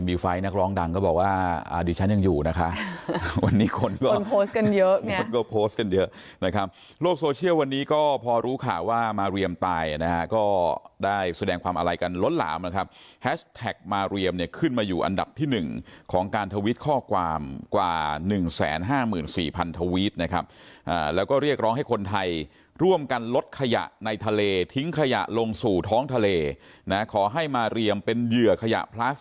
เยอะนะครับโลกโซเชียลวันนี้ก็พอรู้ค่ะว่ามาเรียมตายนะฮะก็ได้แสดงความอะไรกันล้นหลามนะครับแฮชแท็กมาเรียมเนี้ยขึ้นมาอยู่อันดับที่หนึ่งของการทวิตข้อความกว่าหนึ่งแสนห้าหมื่นสี่พันทวิตนะครับอ่าแล้วก็เรียกร้องให้คนไทยร่วมกันลดขยะในทะเลทิ้งขยะลงสู่ท้องทะเลนะฮะขอให้มาเรียมเป็นเหย